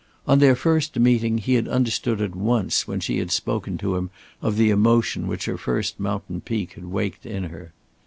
On their first meeting he had understood at once when she had spoken to him of the emotion which her first mountain peak had waked in her.